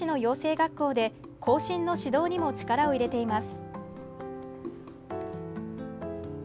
学校で後進の指導にも力を入れています。